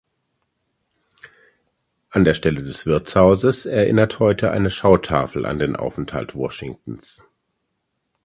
An der Stelle des Wirtshauses erinnert heute eine Schautafel an den Aufenthalt Washingtons.